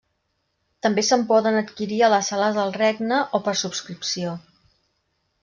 També se'n poden adquirir a les Sales del Regne o per subscripció.